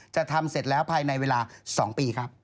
จะทำเสร็จแล้วภายในเวลา๒ปีครับ